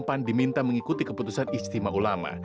pan diminta mengikuti keputusan istimewa ulama